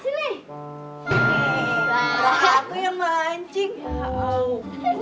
sini orang aku yang mancing bu